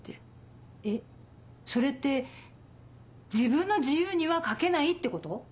えっそれって自分の自由には書けないってこと？